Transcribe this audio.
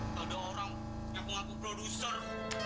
taduh orang yang mengaku produser